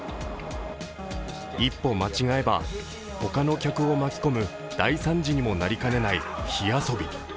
一歩間違えば、ほかの客を巻き込む大惨事にもなりかねない火遊び。